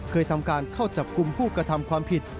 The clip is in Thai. เคยทำการเข้าจับกลุ่มผู้กระทำความผิด